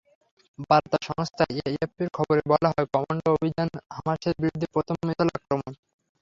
বার্তা সংস্থা এএফপির খবরে বলা হয়, কমান্ডো অভিযান হামাসের বিরুদ্ধে প্রথম স্থল আক্রমণ।